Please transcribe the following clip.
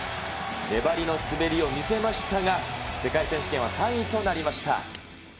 粘りの滑りを見せましたが、世界選手権は３位となりました。